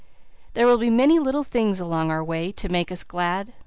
There will be many little things along our way to make us glad.